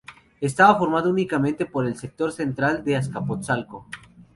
Estaba formado únicamente por el sector central de Azcapotzalco.